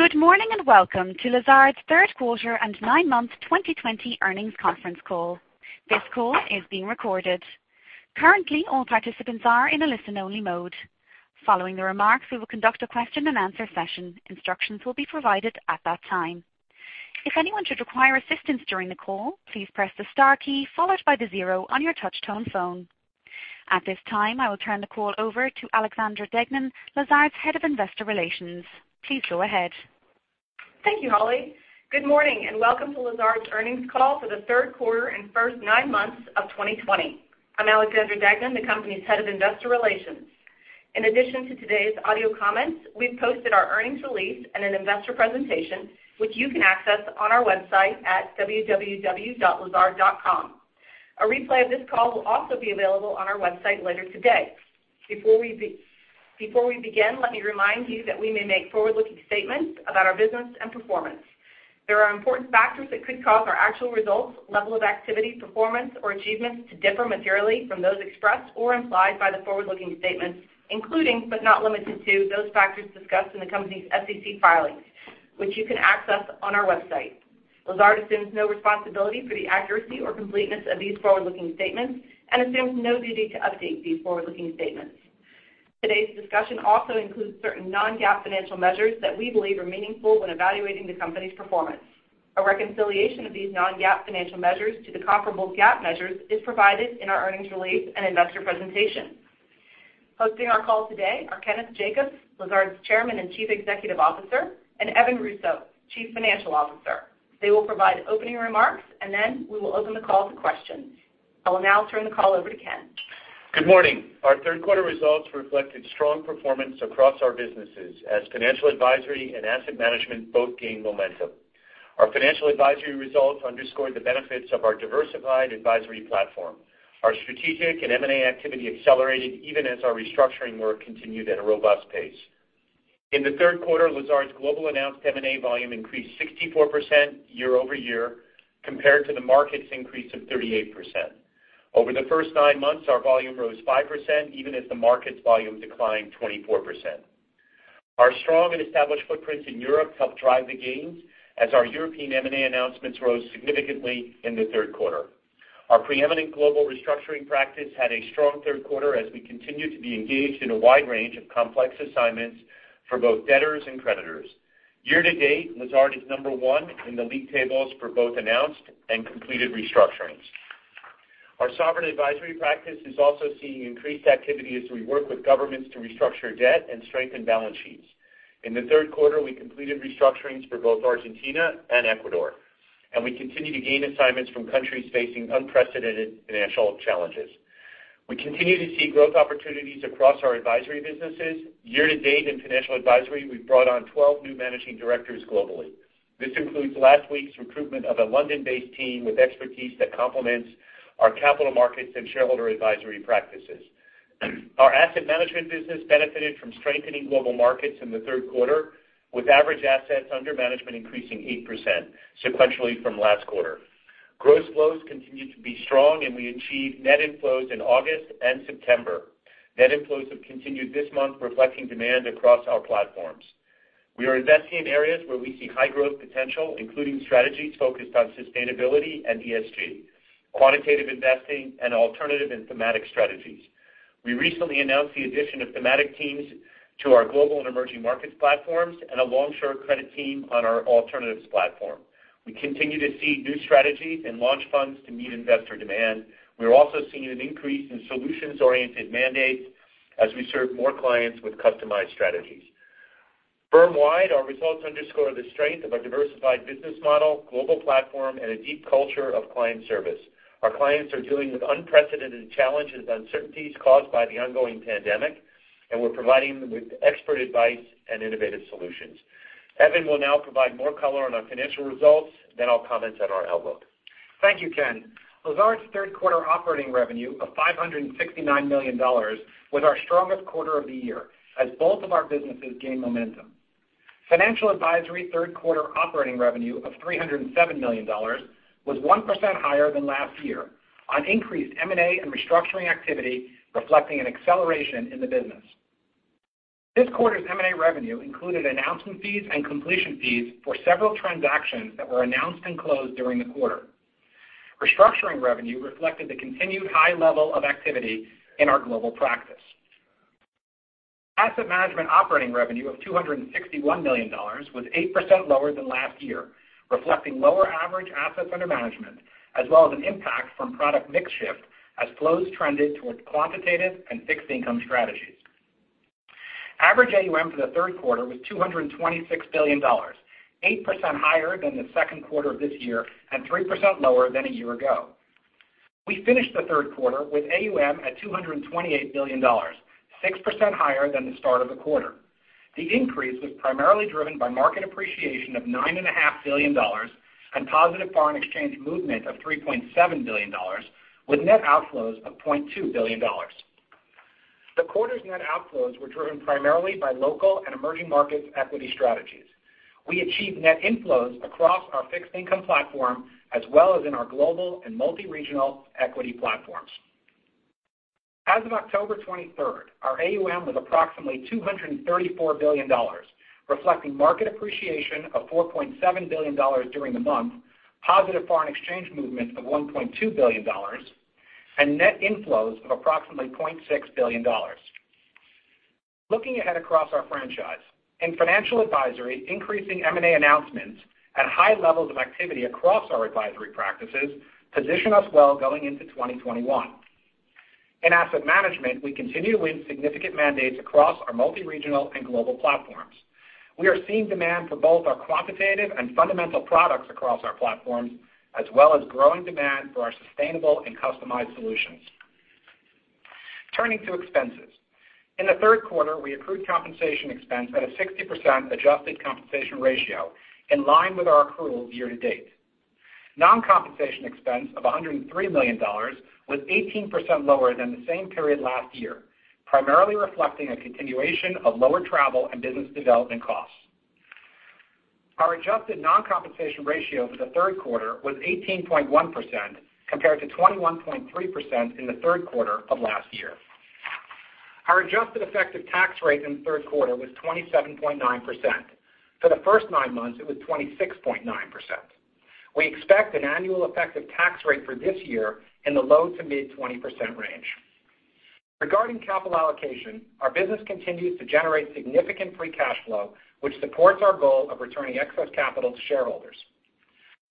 Good morning and welcome to Lazard's Third-Quarter and Nine-Month 2020 Earnings Conference Call. This call is being recorded. Currently, all participants are in a listen-only mode. Following the remarks, we will conduct a question-and-answer session. Instructions will be provided at that time. If anyone should require assistance during the call, please press the star key followed by the zero on your touch-tone phone. At this time, I will turn the call over to Alexandra Deignan, Lazard's Head of Investor Relations. Please go ahead. Thank you, Holly. Good morning and welcome to Lazard's earnings call for the third quarter and first nine months of 2020. I'm Alexandra Deignan, the company's head of investor relations. In addition to today's audio comments, we've posted our earnings release and an investor presentation, which you can access on our website at www.lazard.com. A replay of this call will also be available on our website later today. Before we begin, let me remind you that we may make forward-looking statements about our business and performance. There are important factors that could cause our actual results, level of activity, performance, or achievements to differ materially from those expressed or implied by the forward-looking statements, including, but not limited to, those factors discussed in the company's SEC filings, which you can access on our website. Lazard assumes no responsibility for the accuracy or completeness of these forward-looking statements and assumes no duty to update these forward-looking statements. Today's discussion also includes certain non-GAAP financial measures that we believe are meaningful when evaluating the company's performance. A reconciliation of these non-GAAP financial measures to the comparable GAAP measures is provided in our earnings release and investor presentation. Hosting our call today are Kenneth Jacobs, Lazard's Chairman and Chief Executive Officer, and Evan Russo, Chief Financial Officer. They will provide opening remarks, and then we will open the call to questions. I will now turn the call over to Ken. Good morning. Our third-quarter results reflected strong performance across our businesses as financial advisory and asset management both gained momentum. Our financial advisory results underscored the benefits of our diversified advisory platform. Our strategic and M&A activity accelerated even as our restructuring work continued at a robust pace. In the third quarter, Lazard's global announced M&A volume increased 64% year-over-year compared to the market's increase of 38%. Over the first nine months, our volume rose 5% even as the market's volume declined 24%. Our strong and established footprints in Europe helped drive the gains as our European M&A announcements rose significantly in the third quarter. Our preeminent global restructuring practice had a strong third quarter as we continued to be engaged in a wide range of complex assignments for both debtors and creditors. Year to date, Lazard is number one in the league tables for both announced and completed restructurings. Our sovereign advisory practice is also seeing increased activity as we work with governments to restructure debt and strengthen balance sheets. In the third quarter, we completed restructurings for both Argentina and Ecuador, and we continue to gain assignments from countries facing unprecedented financial challenges. We continue to see growth opportunities across our advisory businesses. Year to date, in financial advisory, we've brought on 12 new managing directors globally. This includes last week's recruitment of a London-based team with expertise that complements our capital markets and shareholder advisory practices. Our asset management business benefited from strengthening global markets in the third quarter, with average assets under management increasing 8% sequentially from last quarter. Gross flows continue to be strong, and we achieved net inflows in August and September. Net inflows have continued this month, reflecting demand across our platforms. We are investing in areas where we see high growth potential, including strategies focused on sustainability and ESG, quantitative investing, and alternative and thematic strategies. We recently announced the addition of thematic teams to our global and emerging markets platforms and a long-short credit team on our alternatives platform. We continue to see new strategies and launch funds to meet investor demand. We are also seeing an increase in solutions-oriented mandates as we serve more clients with customized strategies. Firm-wide, our results underscore the strength of our diversified business model, global platform, and a deep culture of client service. Our clients are dealing with unprecedented challenges and uncertainties caused by the ongoing pandemic, and we're providing them with expert advice and innovative solutions. Evan will now provide more color on our financial results then I'll comment on our outlook. Thank you, Kenneth. Lazard's third-quarter operating revenue of $569 million was our strongest quarter of the year as both of our businesses gained momentum. Financial advisory third-quarter operating revenue of $307 million was 1% higher than last year on increased M&A and restructuring activity, reflecting an acceleration in the business. This quarter's M&A revenue included announcement fees and completion fees for several transactions that were announced and closed during the quarter. Restructuring revenue reflected the continued high level of activity in our global practice. Asset management operating revenue of $261 million was 8% lower than last year, reflecting lower average assets under management as well as an impact from product mix shift as flows trended toward quantitative and fixed income strategies. Average AUM for the third quarter was $226 billion, 8% higher than the second quarter of this year and 3% lower than a year ago. We finished the third quarter with AUM at $228 billion, 6% higher than the start of the quarter. The increase was primarily driven by market appreciation of $9.5 billion and positive foreign exchange movement of $3.7 billion, with net outflows of $0.2 billion. The quarter's net outflows were driven primarily by local and emerging markets equity strategies. We achieved net inflows across our fixed-income platform as well as in our global and multi-regional equity platforms. As of October 23rd, our AUM was approximately $234 billion, reflecting market appreciation of $4.7 billion during the month, positive foreign exchange movement of $1.2 billion, and net inflows of approximately $0.6 billion. Looking ahead across our franchise, in financial advisory, increasing M&A announcements and high levels of activity across our advisory practices position us well going into 2021. In asset management, we continue to win significant mandates across our multi-regional and global platforms. We are seeing demand for both our quantitative and fundamental products across our platforms, as well as growing demand for our sustainable and customized solutions. Turning to expenses, in the third quarter, we accrued compensation expense at a 60% adjusted compensation ratio in line with our accrual year to date. Non-compensation expense of $103 million was 18% lower than the same period last year, primarily reflecting a continuation of lower travel and business development costs. Our adjusted non-compensation ratio for the third quarter was 18.1% compared to 21.3% in the third quarter of last year. Our adjusted effective tax rate in the third quarter was 27.9%. For the first nine months, it was 26.9%. We expect an annual effective tax rate for this year in the low- to mid-20% range. Regarding capital allocation, our business continues to generate significant free cash flow, which supports our goal of returning excess capital to shareholders.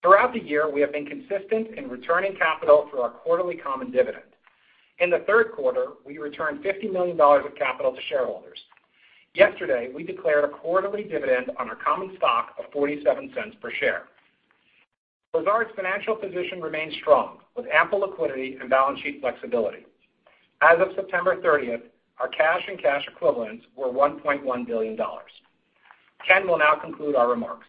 Throughout the year, we have been consistent in returning capital through our quarterly common dividend. In the third quarter, we returned $50 million of capital to shareholders. Yesterday, we declared a quarterly dividend on our common stock of $0.47 per share. Lazard's financial position remains strong with ample liquidity and balance sheet flexibility. As of September 30, our cash and cash equivalents were $1.1 billion. Kenneth will now conclude our remarks.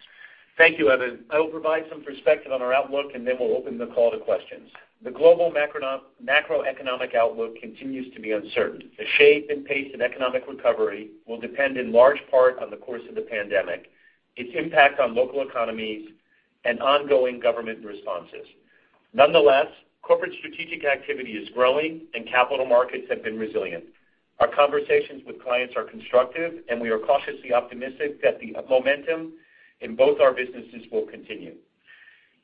Thank you, Evan. I will provide some perspective on our outlook, and then we'll open the call to questions. The global macroeconomic outlook continues to be uncertain. The shape and pace of economic recovery will depend in large part on the course of the pandemic, its impact on local economies, and ongoing government responses. Nonetheless, corporate strategic activity is growing, and capital markets have been resilient. Our conversations with clients are constructive, and we are cautiously optimistic that the momentum in both our businesses will continue.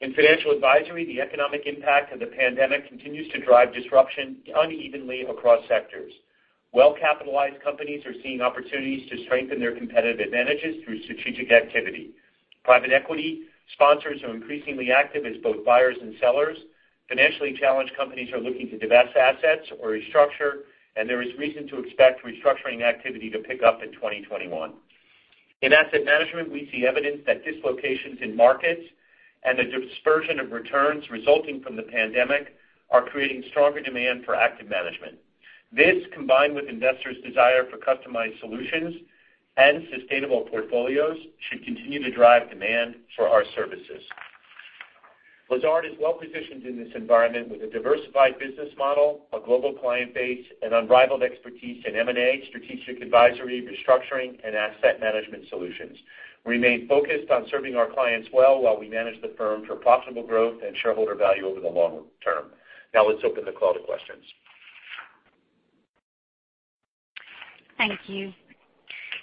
In financial advisory, the economic impact of the pandemic continues to drive disruption unevenly across sectors. Well-capitalized companies are seeing opportunities to strengthen their competitive advantages through strategic activity. Private equity sponsors are increasingly active as both buyers and sellers. Financially challenged companies are looking to divest assets or restructure, and there is reason to expect restructuring activity to pick up in 2021. In asset management, we see evidence that dislocations in markets and the dispersion of returns resulting from the pandemic are creating stronger demand for active management. This, combined with investors' desire for customized solutions and sustainable portfolios, should continue to drive demand for our services. Lazard is well-positioned in this environment with a diversified business model, a global client base, and unrivaled expertise in M&A, strategic advisory, restructuring, and asset management solutions. We remain focused on serving our clients well while we manage the firm for profitable growth and shareholder value over the long term. Now, let's open the call to questions. Thank you.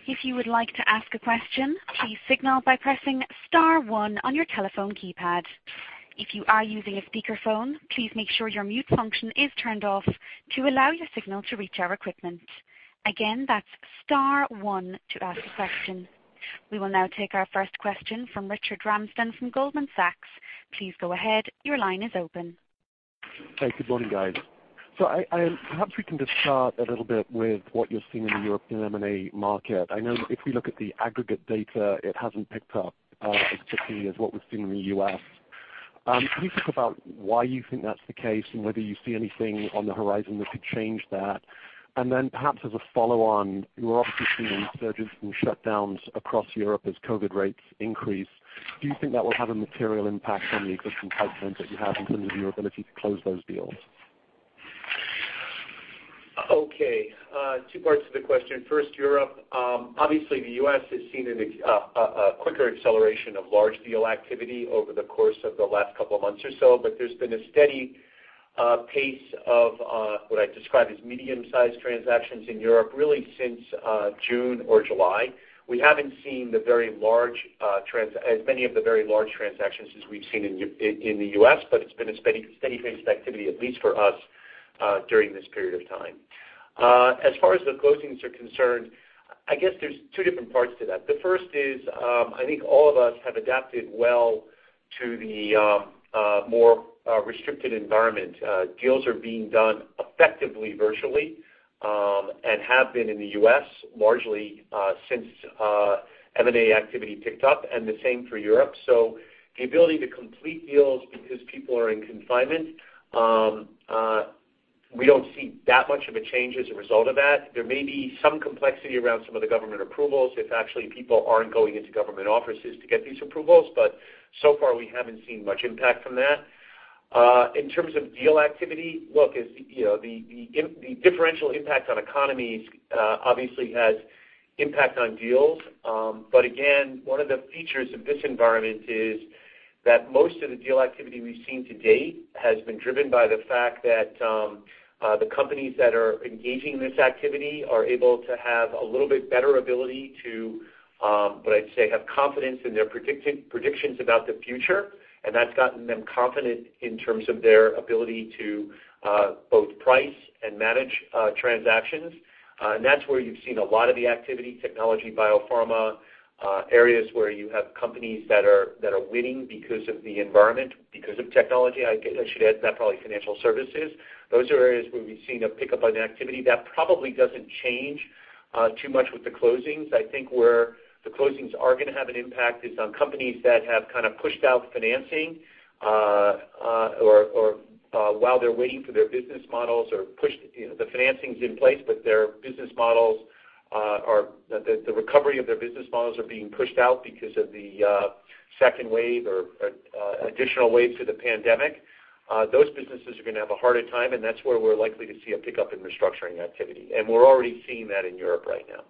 If you would like to ask a question, please signal by pressing star one on your telephone keypad. If you are using a speakerphone, please make sure your mute function is turned off to allow your signal to reach our equipment. Again, that's star one to ask a question. We will now take our first question from Richard Ramsden from Goldman Sachs. Please go ahead. Your line is open. Hey, good morning, guys. I am perhaps we can just start a little bit with what you're seeing in the European M&A market. I know if we look at the aggregate data, it hasn't picked up as quickly as what we've seen in the U.S. Can you talk about why you think that's the case and whether you see anything on the horizon that could change that? Perhaps as a follow-on, you are obviously seeing surges and shutdowns across Europe as COVID rates increase. Do you think that will have a material impact on the existing pipelines that you have in terms of your ability to close those deals? Okay. Two parts of the question. First, Europe. Obviously, the U.S. has seen a quicker acceleration of large deal activity over the course of the last couple of months or so, but there's been a steady pace of what I'd describe as medium-sized transactions in Europe really since June or July. We haven't seen as many of the very large transactions as we've seen in the U.S., but it's been a steady pace of activity, at least for us, during this period of time. As far as the closings are concerned, I guess there's two different parts to that. The first is I think all of us have adapted well to the more restricted environment. Deals are being done effectively virtually and have been in the U.S. largely since M&A activity picked up, and the same for Europe. The ability to complete deals because people are in confinement, we do not see that much of a change as a result of that. There may be some complexity around some of the government approvals if actually people are not going into government offices to get these approvals, but so far we have not seen much impact from that. In terms of deal activity, look, the differential impact on economies obviously has impact on deals. Again, one of the features of this environment is that most of the deal activity we have seen to date has been driven by the fact that the companies that are engaging in this activity are able to have a little bit better ability to, what I would say, have confidence in their predictions about the future, and that has gotten them confident in terms of their ability to both price and manage transactions. That is where you have seen a lot of the activity: technology, biopharma, areas where you have companies that are winning because of the environment, because of technology. I should add that probably financial services. Those are areas where we have seen a pickup on activity. That probably does not change too much with the closings. I think where the closings are going to have an impact is on companies that have kind of pushed out financing or while they are waiting for their business models or pushed the financings in place, but their business models or the recovery of their business models are being pushed out because of the second wave or additional wave to the pandemic. Those businesses are going to have a harder time, and that is where we are likely to see a pickup in restructuring activity. We are already seeing that in Europe right now.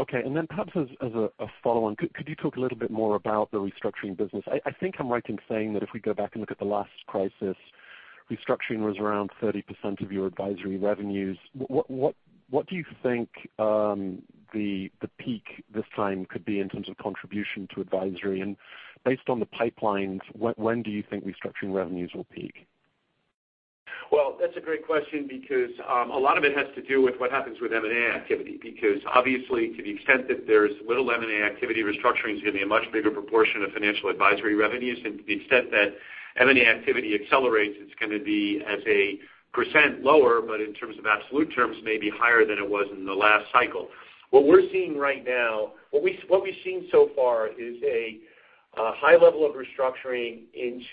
Okay. Perhaps as a follow-on, could you talk a little bit more about the restructuring business? I think I'm right in saying that if we go back and look at the last crisis, restructuring was around 30% of your advisory revenues. What do you think the peak this time could be in terms of contribution to advisory? Based on the pipelines, when do you think restructuring revenues will peak? That's a great question because a lot of it has to do with what happens with M&A activity. Obviously, to the extent that there's little M&A activity, restructuring is going to be a much bigger proportion of financial advisory revenues. To the extent that M&A activity accelerates, it's going to be as a percent lower, but in terms of absolute terms, maybe higher than it was in the last cycle. What we're seeing right now, what we've seen so far is a high level of restructuring in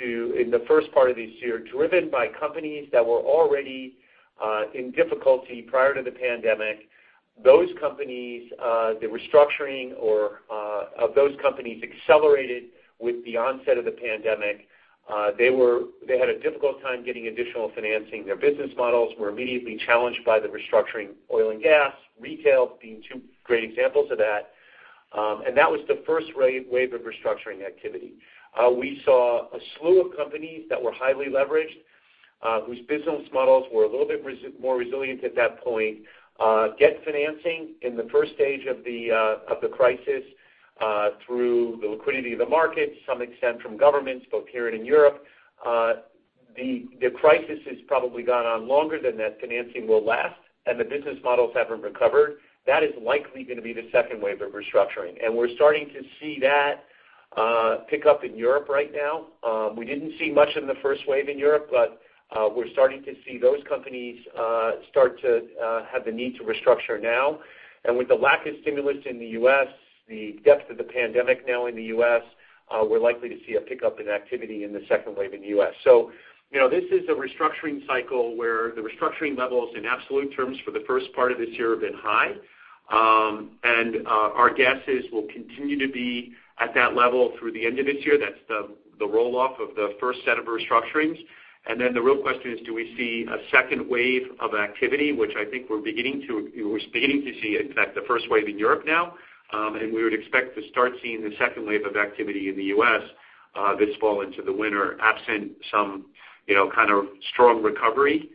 the first part of this year driven by companies that were already in difficulty prior to the pandemic. Those companies, the restructuring of those companies accelerated with the onset of the pandemic. They had a difficult time getting additional financing. Their business models were immediately challenged by the restructuring: oil and gas, retail being two great examples of that. That was the first wave of restructuring activity. We saw a slew of companies that were highly leveraged, whose business models were a little bit more resilient at that point, get financing in the first stage of the crisis through the liquidity of the market, to some extent from governments, both here and in Europe. The crisis has probably gone on longer than that financing will last, and the business models have not recovered. That is likely going to be the second wave of restructuring. We are starting to see that pick up in Europe right now. We did not see much in the first wave in Europe, but we are starting to see those companies start to have the need to restructure now. With the lack of stimulus in the U.S., the depth of the pandemic now in the U.S., we're likely to see a pickup in activity in the second wave in the U.S. This is a restructuring cycle where the restructuring levels in absolute terms for the first part of this year have been high. Our guess is we'll continue to be at that level through the end of this year. That's the roll-off of the first set of restructurings. The real question is, do we see a second wave of activity, which I think we're beginning to see, in fact, the first wave in Europe now. We would expect to start seeing the second wave of activity in the U.S. this fall into the winter, absent some kind of strong recovery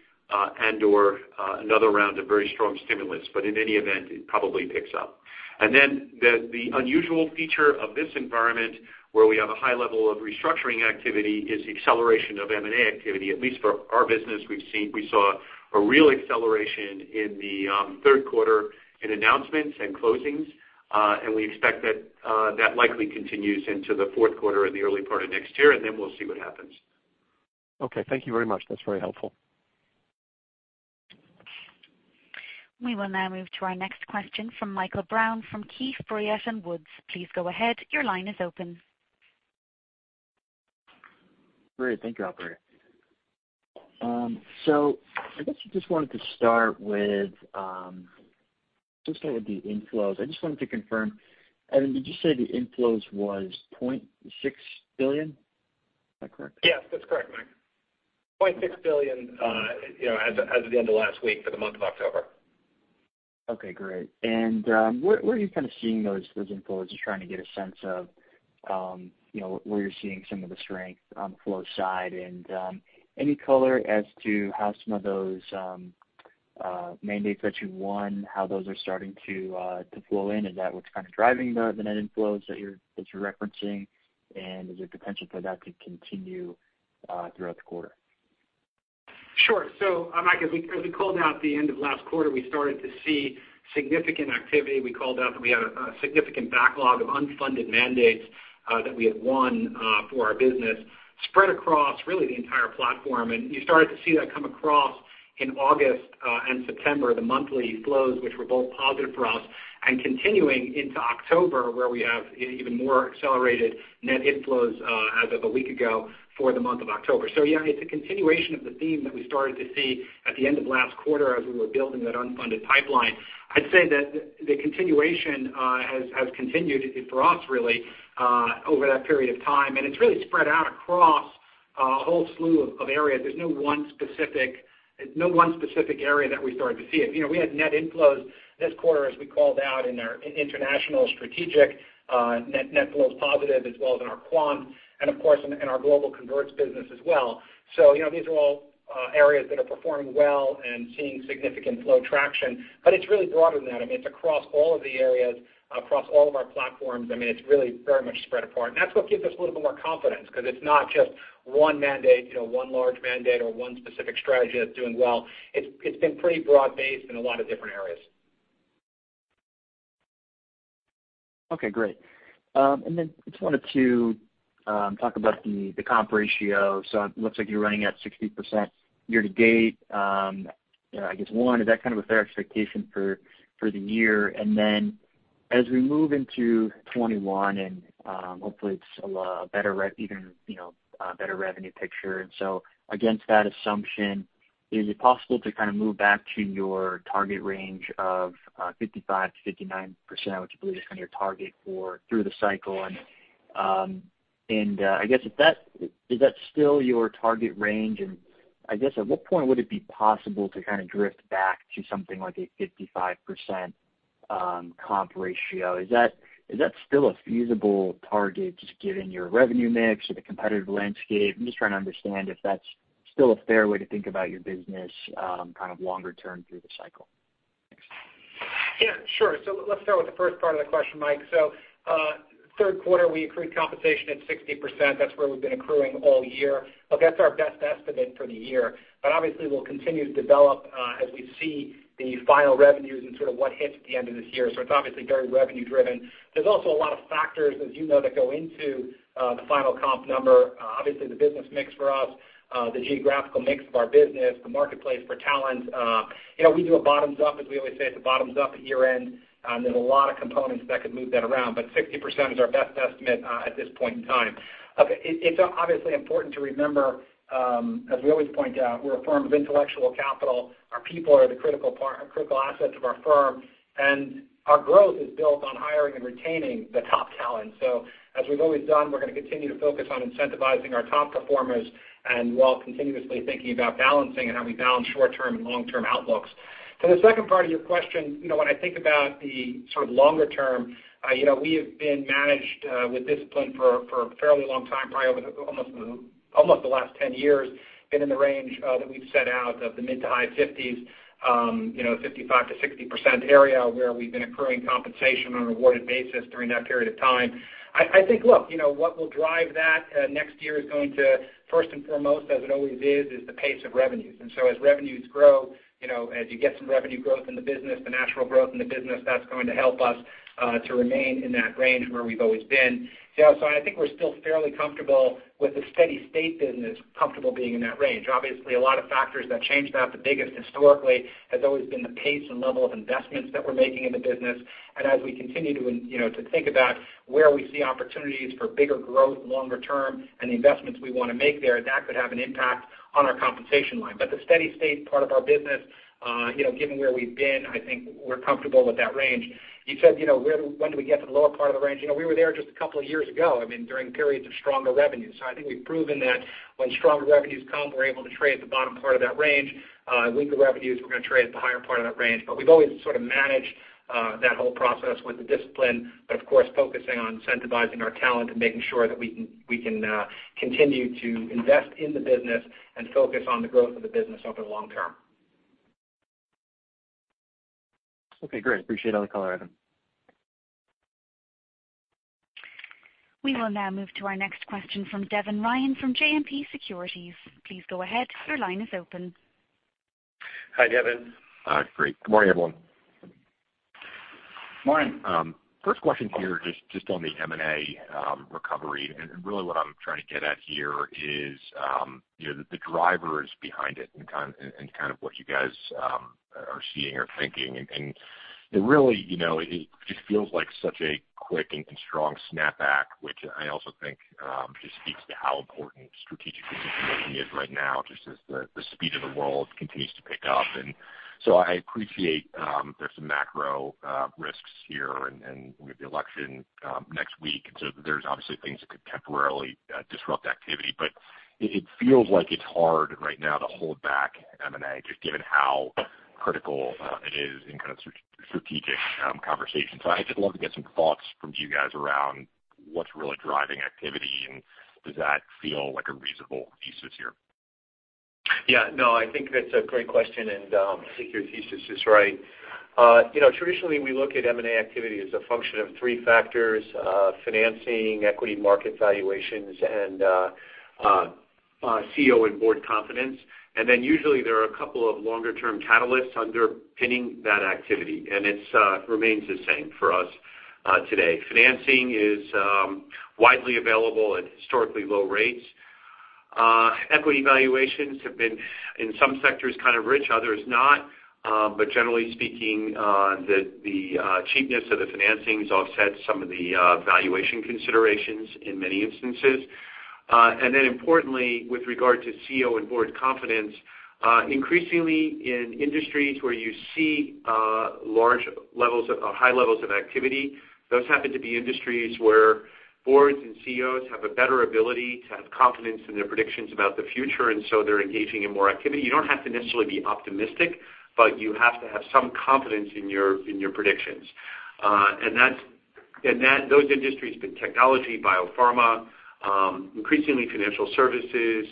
and/or another round of very strong stimulus. In any event, it probably picks up. The unusual feature of this environment where we have a high level of restructuring activity is the acceleration of M&A activity, at least for our business. We saw a real acceleration in the third quarter in announcements and closings. We expect that that likely continues into the fourth quarter or the early part of next year, and then we'll see what happens. Okay. Thank you very much. That's very helpful. We will now move to our next question from Michael Brown from Keefe, Bruyette & Woods. Please go ahead. Your line is open. Great. Thank you, Operator. I just wanted to start with the inflows. I just wanted to confirm, Evan, did you say the inflows was $0.6 billion? Is that correct? Yes, that's correct, Mike. $0.6 billion as of the end of last week for the month of October. Great. Where are you kind of seeing those inflows? Just trying to get a sense of where you're seeing some of the strength on the flow side. Any color as to how some of those mandates that you won, how those are starting to flow in? Is that what's kind of driving the net inflows that you're referencing? Is there potential for that to continue throughout the quarter? Sure. Mike, as we called out at the end of last quarter, we started to see significant activity. We called out that we had a significant backlog of unfunded mandates that we had won for our business spread across really the entire platform. You started to see that come across in August and September, the monthly flows, which were both positive for us and continuing into October, where we have even more accelerated net inflows as of a week ago for the month of October. Yeah, it is a continuation of the theme that we started to see at the end of last quarter as we were building that unfunded pipeline. I'd say that the continuation has continued for us really over that period of time. It is really spread out across a whole slew of areas. There is no one specific area that we started to see. We had net inflows this quarter, as we called out, in our international strategic net flows positive as well as in our quant and, of course, in our global converts business as well. These are all areas that are performing well and seeing significant flow traction. It is really broader than that. I mean, it is across all of the areas, across all of our platforms. I mean, it is really very much spread apart. That is what gives us a little bit more confidence because it is not just one mandate, one large mandate, or one specific strategy that is doing well. It has been pretty broad-based in a lot of different areas. Okay. Great. I just wanted to talk about the comp ratio. It looks like you're running at 60% year to date, I guess, one. Is that kind of a fair expectation for the year? As we move into 2021, and hopefully it is a better revenue picture, against that assumption, is it possible to kind of move back to your target range of 55-59%, which you believe is kind of your target for through the cycle? I guess, is that still your target range? I guess, at what point would it be possible to kind of drift back to something like a 55% comp ratio? Is that still a feasible target just given your revenue mix or the competitive landscape? I'm just trying to understand if that's still a fair way to think about your business kind of longer term through the cycle. Yeah. Sure. Let's start with the first part of the question, Mike. Third quarter, we accrued compensation at 60%. That's where we've been accruing all year. That's our best estimate for the year. Obviously, we'll continue to develop as we see the final revenues and sort of what hits at the end of this year. It's obviously very revenue-driven. There are also a lot of factors, as you know, that go into the final comp number. Obviously, the business mix for us, the geographical mix of our business, the marketplace for talent. We do a bottoms-up, as we always say, it's a bottoms-up year-end. There are a lot of components that could move that around. 60% is our best estimate at this point in time. It's obviously important to remember, as we always point out, we're a firm of intellectual capital. Our people are the critical assets of our firm. Our growth is built on hiring and retaining the top talent. As we've always done, we're going to continue to focus on incentivizing our top performers while continuously thinking about balancing and how we balance short-term and long-term outlooks. The second part of your question, when I think about the sort of longer term, we have been managed with discipline for a fairly long time, probably almost the last 10 years, been in the range that we've set out of the mid- to high- 50s%, 55%-60% area where we've been accruing compensation on an awarded basis during that period of time. I think, look, what will drive that next year is going to, first and foremost, as it always is, is the pace of revenues. As revenues grow, as you get some revenue growth in the business, the natural growth in the business, that's going to help us to remain in that range where we've always been. I think we're still fairly comfortable with the steady-state business, comfortable being in that range. Obviously, a lot of factors that change that. The biggest historically has always been the pace and level of investments that we're making in the business. As we continue to think about where we see opportunities for bigger growth longer term and the investments we want to make there, that could have an impact on our compensation line. The steady-state part of our business, given where we've been, I think we're comfortable with that range. You said, "When do we get to the lower part of the range?" We were there just a couple of years ago, I mean, during periods of stronger revenues. I think we've proven that when stronger revenues come, we're able to trade at the bottom part of that range. Weaker revenues, we're going to trade at the higher part of that range. We've always sort of managed that whole process with the discipline, but of course, focusing on incentivizing our talent and making sure that we can continue to invest in the business and focus on the growth of the business over the long term. Okay. Great. Appreciate all the color, Evan. We will now move to our next question from Devin Ryan from JMP Securities. Please go ahead. Your line is open. Hi, Devin. Hi. Great. Good morning, everyone. Good morning. First question here, just on the M&A recovery. What I'm trying to get at here is the drivers behind it and kind of what you guys are seeing or thinking. It just feels like such a quick and strong snapback, which I also think just speaks to how important strategic decision-making is right now, just as the speed of the world continues to pick up. I appreciate there's some macro risks here and with the election next week. There are obviously things that could temporarily disrupt activity. It feels like it's hard right now to hold back M&A, just given how critical it is in kind of strategic conversation. I'd just love to get some thoughts from you guys around what's really driving activity and does that feel like a reasonable thesis here? Yeah. No, I think that's a great question. I think your thesis is right. Traditionally, we look at M&A activity as a function of three factors: financing, equity market valuations, and CEO and board confidence. Usually, there are a couple of longer-term catalysts underpinning that activity. It remains the same for us today. Financing is widely available at historically low rates. Equity valuations have been, in some sectors, kind of rich, others not. Generally speaking, the cheapness of the financing has offset some of the valuation considerations in many instances. Importantly, with regard to CEO and board confidence, increasingly in industries where you see large levels of high levels of activity, those happen to be industries where boards and CEOs have a better ability to have confidence in their predictions about the future. They are engaging in more activity. You don't have to necessarily be optimistic, but you have to have some confidence in your predictions. Those industries have been technology, biopharma, increasingly financial services,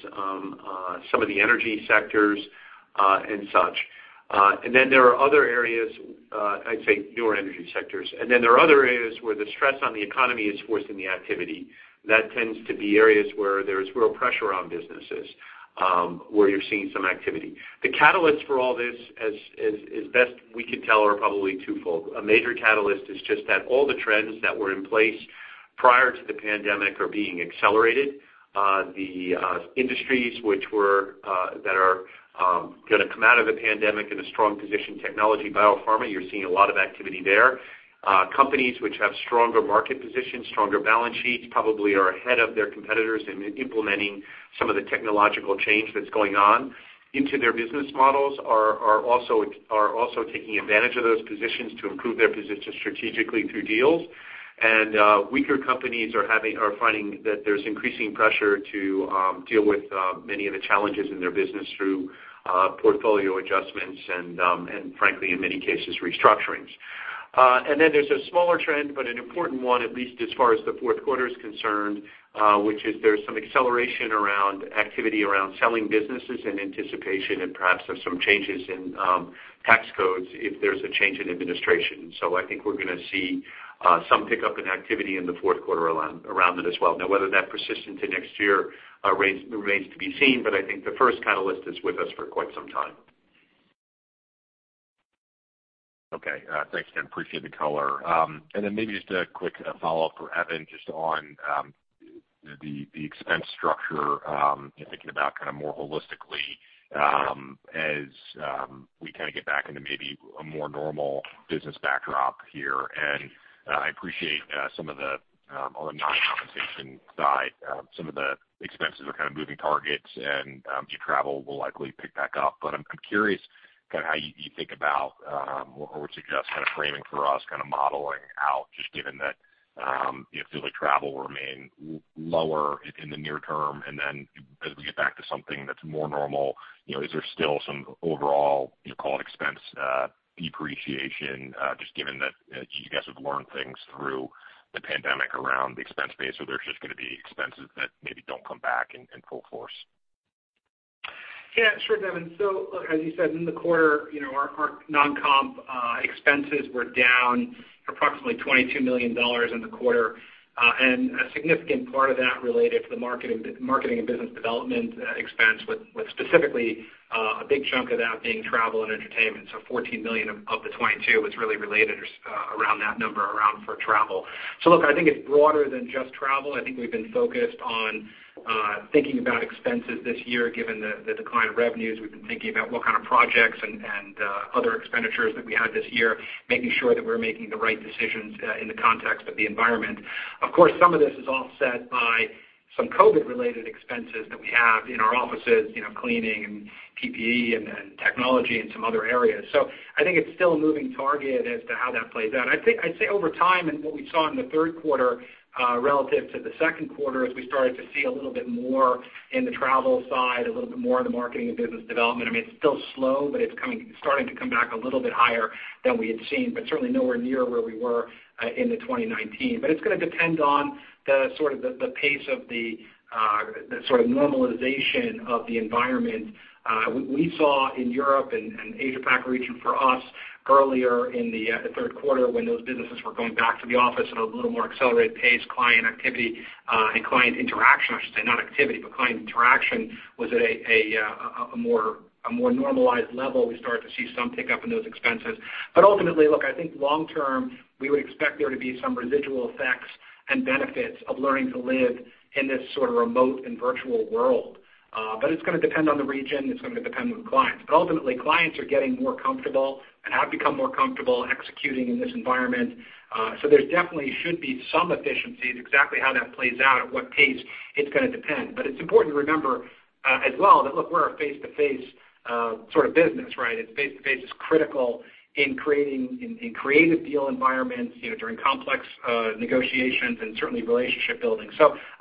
some of the energy sectors, and such. There are other areas, I'd say, newer energy sectors. There are other areas where the stress on the economy is forced in the activity. That tends to be areas where there's real pressure on businesses, where you're seeing some activity. The catalysts for all this, as best we can tell, are probably twofold. A major catalyst is just that all the trends that were in place prior to the pandemic are being accelerated. The industries that are going to come out of the pandemic in a strong position, technology, biopharma, you're seeing a lot of activity there. Companies which have stronger market positions, stronger balance sheets, probably are ahead of their competitors in implementing some of the technological change that's going on into their business models are also taking advantage of those positions to improve their position strategically through deals. Weaker companies are finding that there's increasing pressure to deal with many of the challenges in their business through portfolio adjustments and, frankly, in many cases, restructurings. There is a smaller trend, but an important one, at least as far as the fourth quarter is concerned, which is there's some acceleration around activity around selling businesses in anticipation and perhaps of some changes in tax codes if there's a change in administration. I think we're going to see some pickup in activity in the fourth quarter around that as well. Now, whether that persists into next year remains to be seen, but I think the first catalyst is with us for quite some time. Okay. Thanks, Ken. Appreciate the color. Maybe just a quick follow-up for Evan, just on the expense structure, thinking about kind of more holistically as we kind of get back into maybe a more normal business backdrop here. I appreciate some of the on the non-compensation side, some of the expenses are kind of moving targets and travel will likely pick back up. I'm curious kind of how you think about or would suggest kind of framing for us, kind of modeling out, just given that it feels like travel will remain lower in the near term. As we get back to something that's more normal, is there still some overall, call it expense depreciation, just given that you guys have learned things through the pandemic around the expense base or there's just going to be expenses that maybe don't come back in full force? Yeah. Sure, Devin. Look, as you said, in the quarter, our non-comp expenses were down approximately $22 million in the quarter. A significant part of that related to the marketing and business development expense, with specifically a big chunk of that being travel and entertainment. $14 million of the $22 million was really related around that number, around for travel. I think it's broader than just travel. I think we've been focused on thinking about expenses this year, given the decline in revenues. We've been thinking about what kind of projects and other expenditures that we had this year, making sure that we're making the right decisions in the context of the environment. Of course, some of this is offset by some COVID-related expenses that we have in our offices, cleaning and PPE and technology and some other areas. I think it's still a moving target as to how that plays out. I'd say over time, and what we saw in the third quarter relative to the second quarter is we started to see a little bit more in the travel side, a little bit more in the marketing and business development. I mean, it's still slow, but it's starting to come back a little bit higher than we had seen, but certainly nowhere near where we were in 2019. It's going to depend on the sort of the pace of the sort of normalization of the environment. We saw in Europe and Asia-PAC region for us earlier in the third quarter when those businesses were going back to the office at a little more accelerated pace, client activity and client interaction, I should say, not activity, but client interaction was at a more normalized level. We started to see some pickup in those expenses. Ultimately, look, I think long-term, we would expect there to be some residual effects and benefits of learning to live in this sort of remote and virtual world. It is going to depend on the region. It is going to depend on the clients. Ultimately, clients are getting more comfortable and have become more comfortable executing in this environment. There definitely should be some efficiencies, exactly how that plays out, at what pace it is going to depend. It is important to remember as well that, look, we are a face-to-face sort of business, right? Face-to-face is critical in creating creative deal environments during complex negotiations and certainly relationship building.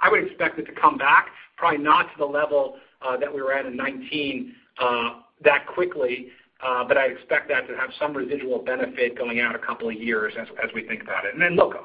I would expect it to come back, probably not to the level that we were at in 2019 that quickly, but I expect that to have some residual benefit going out a couple of years as we think about it. Look,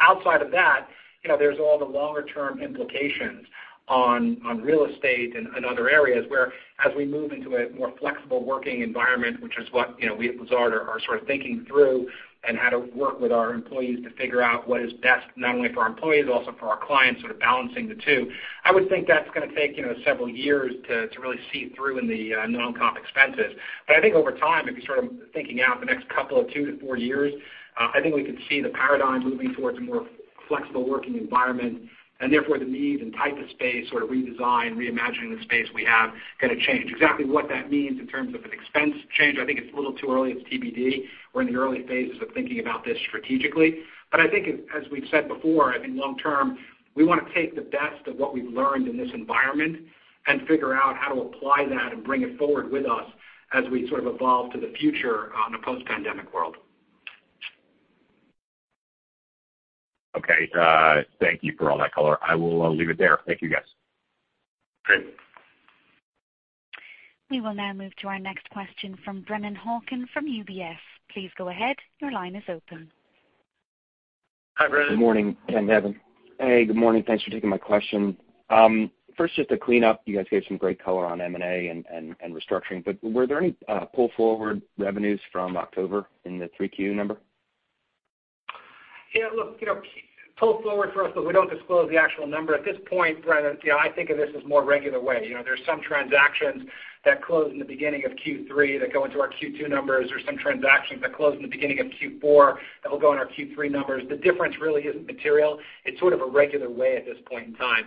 outside of that, there's all the longer-term implications on real estate and other areas where, as we move into a more flexible working environment, which is what we at Lazard are sort of thinking through and how to work with our employees to figure out what is best, not only for our employees, but also for our clients, sort of balancing the two. I would think that's going to take several years to really see through in the non-comp expenses. I think over time, if you're sort of thinking out the next couple of two to four years, I think we could see the paradigm moving towards a more flexible working environment. Therefore, the need and type of space, sort of redesign, reimagining the space we have, going to change. Exactly what that means in terms of an expense change, I think it's a little too early. It's TBD. We're in the early phases of thinking about this strategically. I think, as we've said before, I think long-term, we want to take the best of what we've learned in this environment and figure out how to apply that and bring it forward with us as we sort of evolve to the future in a post-pandemic world. Okay. Thank you for all that color. I will leave it there. Thank you, guys. Great. We will now move to our next question from Brennan Hawken from UBS. Please go ahead. Your line is open. Hi, Brennan. Good morning, Ken, Evan. Hey, good morning. Thanks for taking my question. First, just to clean up, you guys gave some great color on M&A and restructuring. Were there any pull-forward revenues from October in the 3Q number? Yeah. Look, pull-forward for us, but we don't disclose the actual number. At this point, Brennan, I think of this as more regular way. There's some transactions that close in the beginning of Q3 that go into our Q2 numbers. There's some transactions that close in the beginning of Q4 that will go in our Q3 numbers. The difference really isn't material. It's sort of a regular way at this point in time.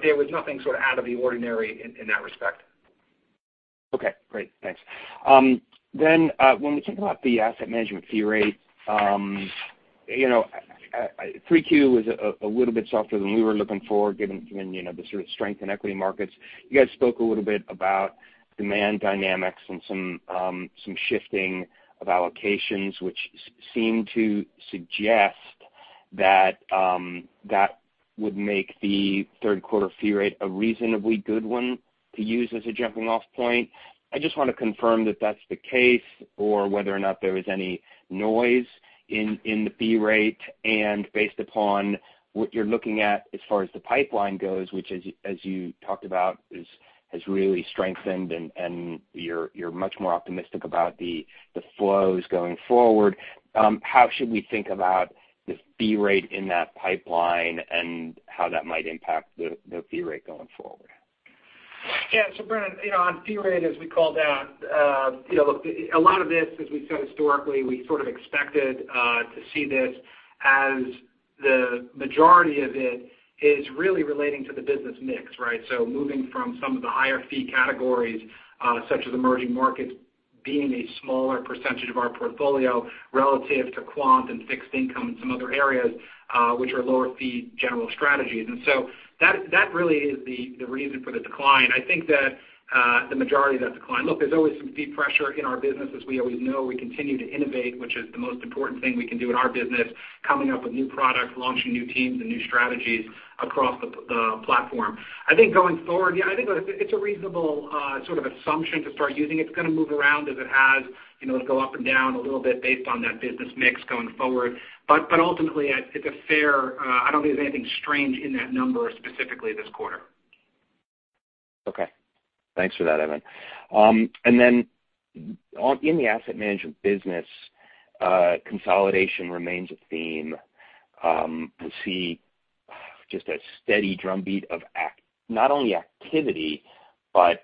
There was nothing sort of out of the ordinary in that respect. Okay. Great. Thanks. When we think about the asset management fee rate, 3Q was a little bit softer than we were looking for, given the sort of strength in equity markets. You guys spoke a little bit about demand dynamics and some shifting of allocations, which seemed to suggest that that would make the third quarter fee rate a reasonably good one to use as a jumping-off point. I just want to confirm that that's the case or whether or not there was any noise in the fee rate. Based upon what you're looking at as far as the pipeline goes, which, as you talked about, has really strengthened and you're much more optimistic about the flows going forward, how should we think about the fee rate in that pipeline and how that might impact the fee rate going forward? Yeah. So Brennan, on fee rate, as we call that, look, a lot of this, as we said historically, we sort of expected to see this as the majority of it is really relating to the business mix, right? Moving from some of the higher fee categories, such as emerging markets, being a smaller percentage of our portfolio relative to quant and fixed income and some other areas, which are lower fee general strategies. That really is the reason for the decline. I think that the majority of that decline, look, there's always some deep pressure in our business, as we always know. We continue to innovate, which is the most important thing we can do in our business, coming up with new products, launching new teams, and new strategies across the platform. I think going forward, yeah, I think it's a reasonable sort of assumption to start using. It's going to move around as it has, go up and down a little bit based on that business mix going forward. Ultimately, it's a fair, I don't think there's anything strange in that number specifically this quarter. Okay. Thanks for that, Evan. In the asset management business, consolidation remains a theme. I see just a steady drumbeat of not only activity, but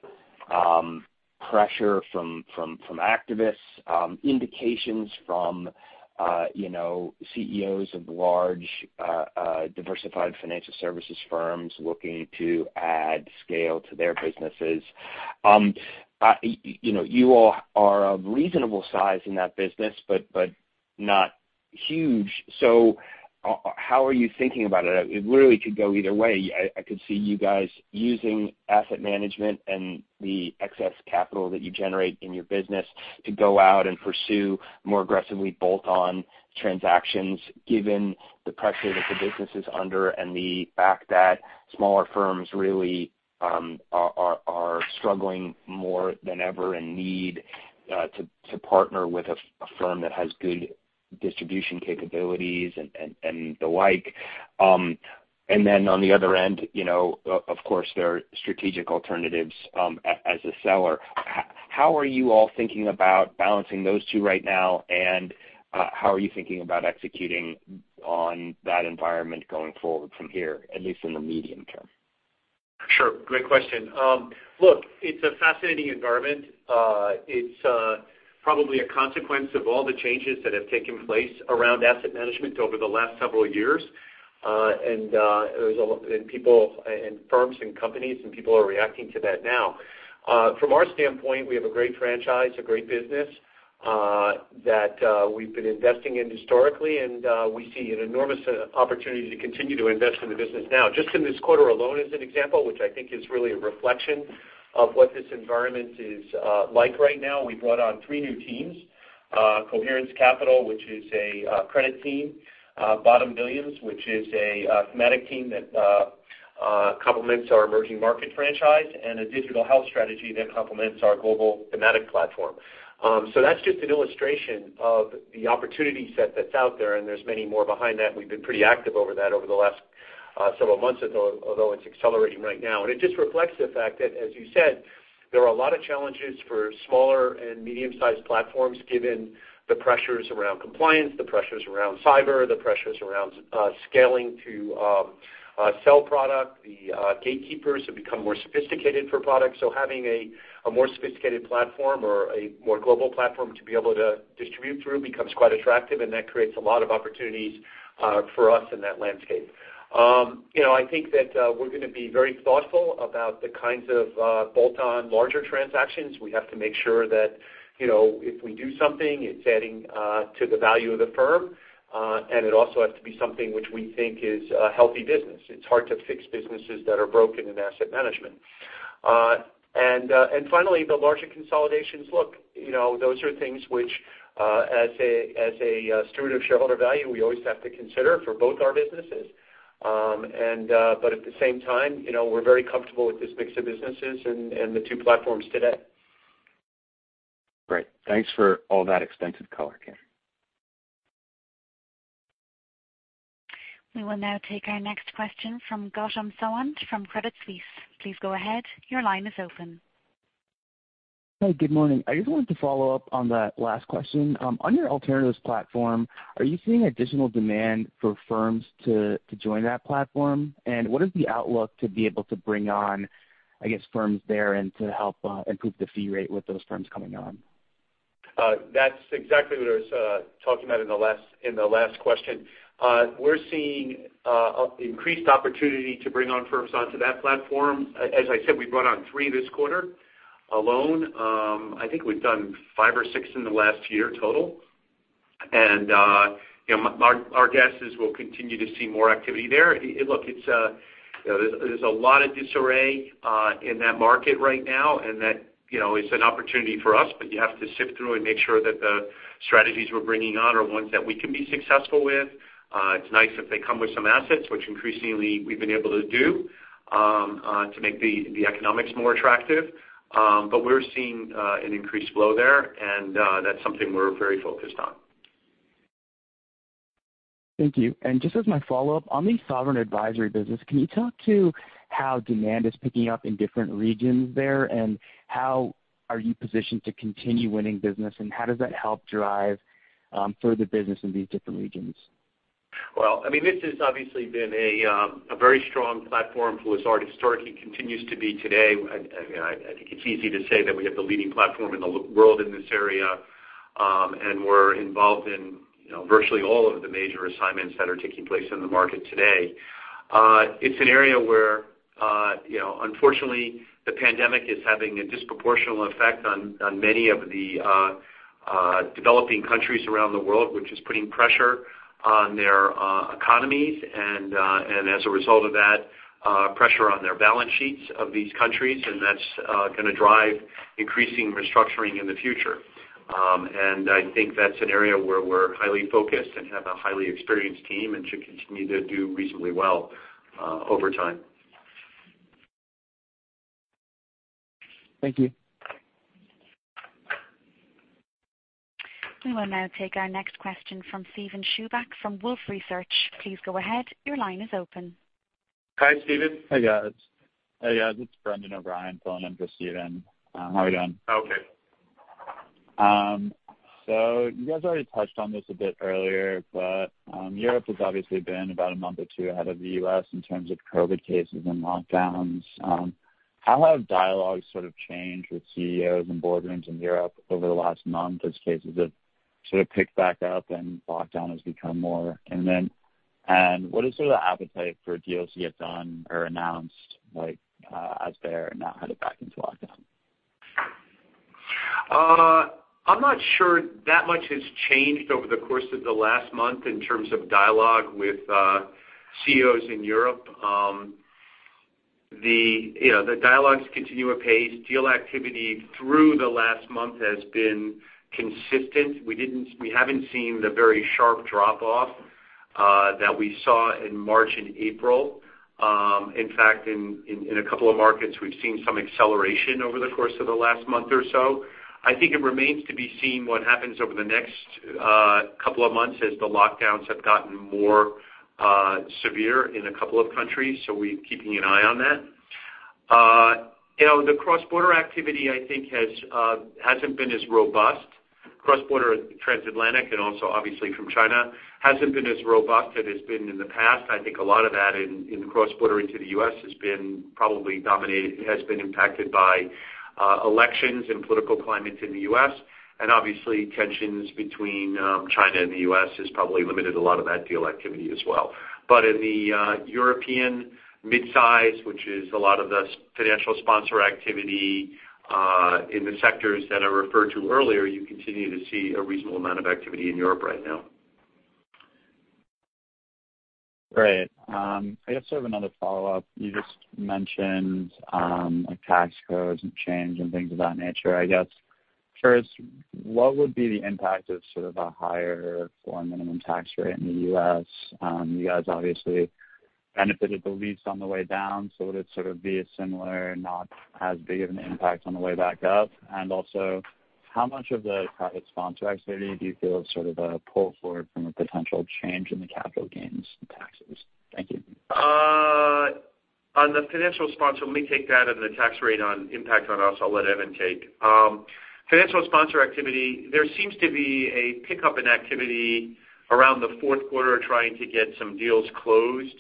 pressure from activists, indications from CEOs of large diversified financial services firms looking to add scale to their businesses. You all are of reasonable size in that business, but not huge. How are you thinking about it? It really could go either way. I could see you guys using asset management and the excess capital that you generate in your business to go out and pursue more aggressively bolt-on transactions, given the pressure that the business is under and the fact that smaller firms really are struggling more than ever and need to partner with a firm that has good distribution capabilities and the like. On the other end, of course, there are strategic alternatives as a seller. How are you all thinking about balancing those two right now, and how are you thinking about executing on that environment going forward from here, at least in the medium term? Sure. Great question. Look, it's a fascinating environment. It's probably a consequence of all the changes that have taken place around asset management over the last several years. People and firms and companies and people are reacting to that now. From our standpoint, we have a great franchise, a great business that we've been investing in historically, and we see an enormous opportunity to continue to invest in the business now. Just in this quarter alone, as an example, which I think is really a reflection of what this environment is like right now, we brought on three new teams: Coherence Capital, which is a credit team; Bottom Billions, which is a thematic team that complements our emerging market franchise; and a digital health strategy that complements our global thematic platform. That is just an illustration of the opportunity set that is out there, and there are many more behind that. We've been pretty active over that over the last several months, although it's accelerating right now. It just reflects the fact that, as you said, there are a lot of challenges for smaller and medium-sized platforms, given the pressures around compliance, the pressures around cyber, the pressures around scaling to sell product. The gatekeepers have become more sophisticated for products. Having a more sophisticated platform or a more global platform to be able to distribute through becomes quite attractive, and that creates a lot of opportunities for us in that landscape. I think that we're going to be very thoughtful about the kinds of bolt-on larger transactions. We have to make sure that if we do something, it's adding to the value of the firm, and it also has to be something which we think is a healthy business. It's hard to fix businesses that are broken in asset management. Finally, the larger consolidations, look, those are things which, as a steward of shareholder value, we always have to consider for both our businesses. At the same time, we're very comfortable with this mix of businesses and the two platforms today. Great. Thanks for all that extensive color, Ken. We will now take our next question from Gautam Sawant from Credit Suisse. Please go ahead. Your line is open. Hey, good morning. I just wanted to follow up on that last question. On your alternatives platform, are you seeing additional demand for firms to join that platform? What is the outlook to be able to bring on, I guess, firms there and to help improve the fee rate with those firms coming on? That's exactly what I was talking about in the last question. We're seeing increased opportunity to bring on firms onto that platform. As I said, we brought on three this quarter alone. I think we've done five or six in the last year total. Our guess is we'll continue to see more activity there. Look, there's a lot of disarray in that market right now, and that is an opportunity for us. You have to sift through and make sure that the strategies we're bringing on are ones that we can be successful with. It's nice if they come with some assets, which increasingly we've been able to do to make the economics more attractive. We're seeing an increased flow there, and that's something we're very focused on. Thank you. Just as my follow-up, on the sovereign advisory business, can you talk to how demand is picking up in different regions there, and how are you positioned to continue winning business, and how does that help drive further business in these different regions? I mean, this has obviously been a very strong platform for Lazard historically and continues to be today. I think it's easy to say that we have the leading platform in the world in this area, and we're involved in virtually all of the major assignments that are taking place in the market today. It's an area where, unfortunately, the pandemic is having a disproportional effect on many of the developing countries around the world, which is putting pressure on their economies and, as a result of that, pressure on the balance sheets of these countries. That's going to drive increasing restructuring in the future. I think that's an area where we're highly focused and have a highly experienced team and should continue to do reasonably well over time. Thank you. We will now take our next question from Steven Chubak from Wolfe Research. Please go ahead. Your line is open. Hi, Steven. Hey, guys. Hey, guys. This is Brendan O'Brien phoning in for Steven. How are you doing? Okay. You guys already touched on this a bit earlier, but Europe has obviously been about a month or two ahead of the U.S. in terms of COVID cases and lockdowns. How have dialogues sort of changed with CEOs and boardrooms in Europe over the last month as cases have sort of picked back up and lockdown has become more imminent? What is sort of the appetite for deals to get done or announced as they're now headed back into lockdown? I'm not sure that much has changed over the course of the last month in terms of dialogue with CEOs in Europe. The dialogues continue apace. Deal activity through the last month has been consistent. We haven't seen the very sharp drop-off that we saw in March and April. In fact, in a couple of markets, we've seen some acceleration over the course of the last month or so. I think it remains to be seen what happens over the next couple of months as the lockdowns have gotten more severe in a couple of countries. We're keeping an eye on that. The cross-border activity, I think, hasn't been as robust. Cross-border transatlantic and also, obviously, from China hasn't been as robust as it has been in the past. I think a lot of that in the cross-border into the U.S. has been probably dominated, has been impacted by elections and political climates in the U.S. Obviously, tensions between China and the U.S. has probably limited a lot of that deal activity as well. In the European midsize, which is a lot of the financial sponsor activity in the sectors that I referred to earlier, you continue to see a reasonable amount of activity in Europe right now. Great. I guess I have another follow-up. You just mentioned a tax code has not changed and things of that nature. I guess, first, what would be the impact of sort of a higher foreign minimum tax rate in the U.S.? You guys obviously benefited the least on the way down. Would it sort of be a similar, not as big of an impact on the way back up? Also, how much of the private sponsor activity do you feel is sort of a pull forward from a potential change in the capital gains and taxes? Thank you. On the financial sponsor, let me take that and the tax rate on impact on us. I'll let Evan take. Financial sponsor activity, there seems to be a pickup in activity around the fourth quarter trying to get some deals closed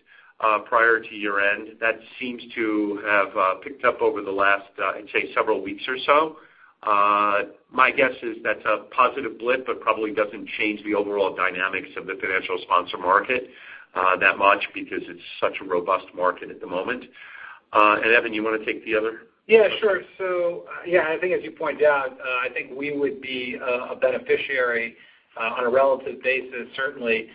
prior to year-end. That seems to have picked up over the last, I'd say, several weeks or so. My guess is that's a positive blip, but probably doesn't change the overall dynamics of the financial sponsor market that much because it's such a robust market at the moment. Evan, you want to take the other? Yeah, sure. Yeah, I think, as you pointed out, I think we would be a beneficiary on a relative basis, certainly,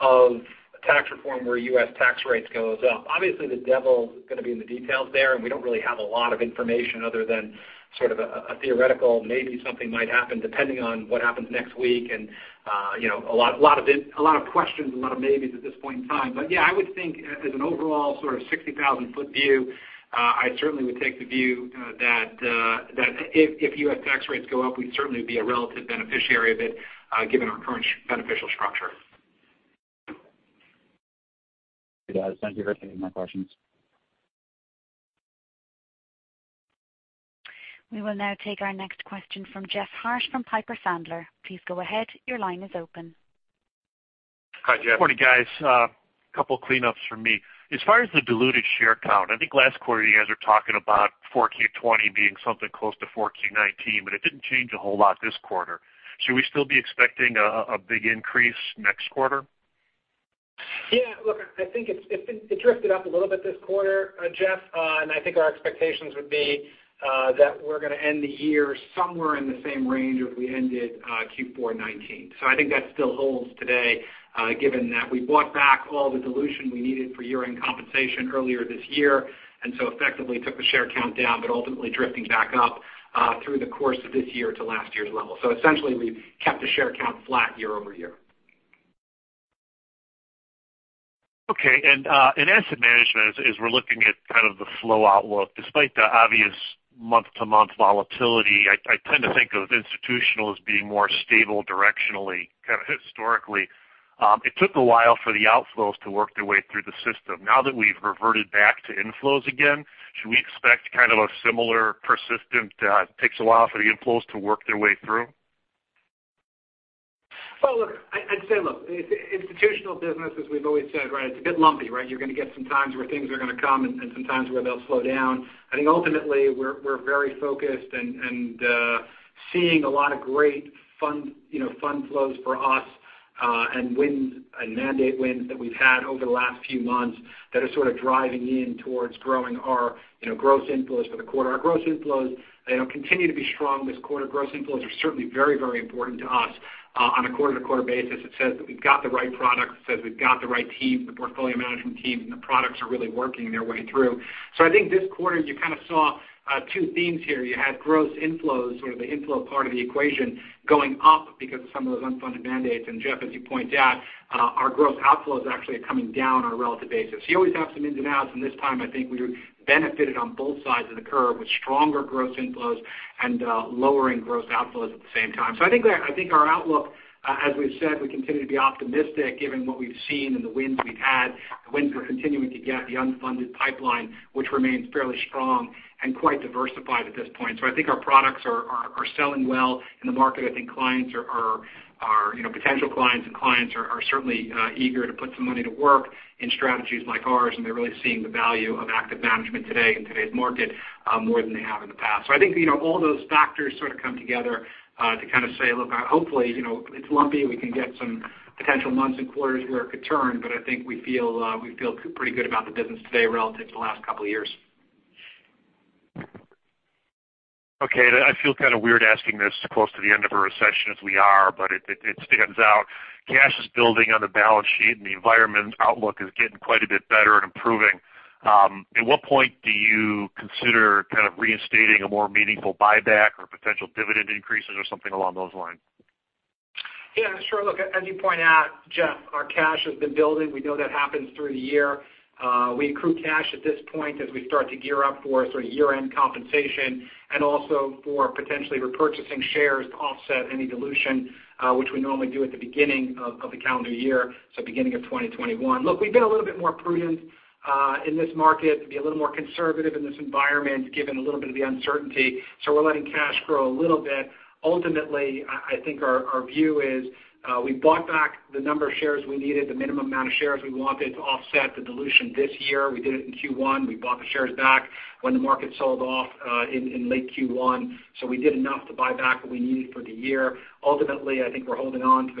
of tax reform where U.S. tax rates goes up. Obviously, the devil is going to be in the details there, and we do not really have a lot of information other than sort of a theoretical, maybe something might happen depending on what happens next week. A lot of questions, a lot of maybes at this point in time. Yeah, I would think, as an overall sort of 60,000-foot view, I certainly would take the view that if U.S. tax rates go up, we would certainly be a relative beneficiary of it given our current beneficial structure. Thank you for taking my questions. We will now take our next question from Jeff Harte from Piper Sandler. Please go ahead. Your line is open. Hi, Jeff. Good morning, guys. A couple of cleanups from me. As far as the diluted share count, I think last quarter you guys were talking about 4Q 2020 being something close to 4Q 2019, but it did not change a whole lot this quarter. Should we still be expecting a big increase next quarter? Yeah. Look, I think it drifted up a little bit this quarter, Jeff. I think our expectations would be that we're going to end the year somewhere in the same range as we ended Q4 2019. I think that still holds today, given that we bought back all the dilution we needed for year-end compensation earlier this year and effectively took the share count down, but ultimately drifting back up through the course of this year to last year's level. Essentially, we've kept the share count flat year over year. Okay. In asset management, as we're looking at kind of the flow outlook, despite the obvious month-to-month volatility, I tend to think of institutional as being more stable directionally, kind of historically. It took a while for the outflows to work their way through the system. Now that we've reverted back to inflows again, should we expect kind of a similar persistent takes a while for the inflows to work their way through? I’d say, look, institutional business, as we’ve always said, right, it’s a bit lumpy, right? You’re going to get some times where things are going to come and some times where they’ll slow down. I think ultimately, we’re very focused and seeing a lot of great fund flows for us and wins and mandate wins that we’ve had over the last few months that are sort of driving in towards growing our gross inflows for the quarter. Our gross inflows continue to be strong this quarter. Gross inflows are certainly very, very important to us on a quarter-to-quarter basis. It says that we’ve got the right products. It says we’ve got the right teams, the portfolio management teams, and the products are really working their way through. I think this quarter, you kind of saw two themes here. You had gross inflows, sort of the inflow part of the equation, going up because of some of those unfunded mandates. Jeff, as you pointed out, our gross outflows actually are coming down on a relative basis. You always have some ins and outs, and this time, I think we benefited on both sides of the curve with stronger gross inflows and lowering gross outflows at the same time. I think our outlook, as we have said, we continue to be optimistic given what we have seen and the wins we have had. The wins are continuing to get the unfunded pipeline, which remains fairly strong and quite diversified at this point. I think our products are selling well in the market. I think clients are potential clients and clients are certainly eager to put some money to work in strategies like ours, and they're really seeing the value of active management today in today's market more than they have in the past. I think all those factors sort of come together to kind of say, "Look, hopefully, it's lumpy. We can get some potential months and quarters where it could turn, but I think we feel pretty good about the business today relative to the last couple of years. Okay. I feel kind of weird asking this close to the end of a recession as we are, but it stands out. Cash is building on the balance sheet, and the environment outlook is getting quite a bit better and improving. At what point do you consider kind of reinstating a more meaningful buyback or potential dividend increases or something along those lines? Yeah. Sure. Look, as you point out, Jeff, our cash has been building. We know that happens through the year. We accrue cash at this point as we start to gear up for sort of year-end compensation and also for potentially repurchasing shares to offset any dilution, which we normally do at the beginning of the calendar year, so beginning of 2021. Look, we've been a little bit more prudent in this market, to be a little more conservative in this environment given a little bit of the uncertainty. We are letting cash grow a little bit. Ultimately, I think our view is we bought back the number of shares we needed, the minimum amount of shares we wanted to offset the dilution this year. We did it in Q1. We bought the shares back when the market sold off in late Q1. We did enough to buy back what we needed for the year. Ultimately, I think we're holding on to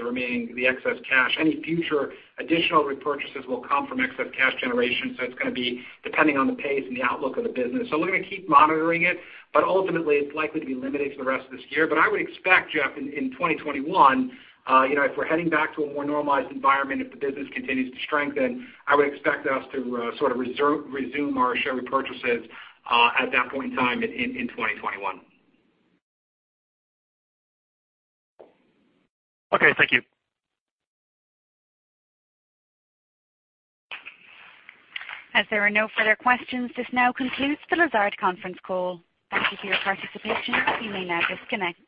the excess cash. Any future additional repurchases will come from excess cash generation. It's going to be depending on the pace and the outlook of the business. We're going to keep monitoring it, but ultimately, it's likely to be limited for the rest of this year. I would expect, Jeff, in 2021, if we're heading back to a more normalized environment, if the business continues to strengthen, I would expect us to sort of resume our share repurchases at that point in time in 2021. Okay. Thank you. As there are no further questions, this now concludes the Lazard conference call. Thank you for your participation. You may now disconnect.